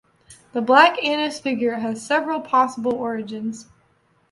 The Black Annis figure has several possible origins.